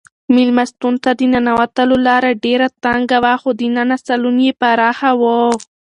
مېلمستون ته د ننوتلو لاره ډېره تنګه وه خو دننه سالون یې پراخه و.